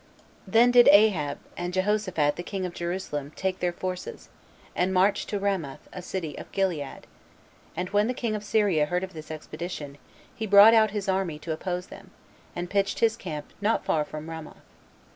5. Then did Ahab, and Jehoshaphat the king of Jerusalem, take their forces, and marched to Ramoth a city of Gilead; and when the king of Syria heard of this expedition, he brought out his army to oppose them, and pitched his camp not far from Ramoth.